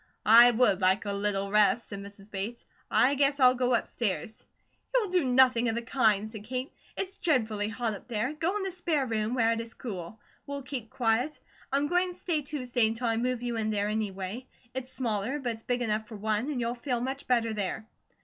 "I would like a little rest," said Mrs. Bates. "I guess I'll go upstairs." "You'll do nothing of the kind," said Kate. "It's dreadfully hot up there. Go in the spare room, where it is cool; we'll keep quiet. I am going to stay Tuesday until I move you in there, anyway. It's smaller, but it's big enough for one, and you'll feel much better there."